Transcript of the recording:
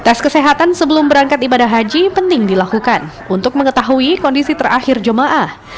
tes kesehatan sebelum berangkat ibadah haji penting dilakukan untuk mengetahui kondisi terakhir jemaah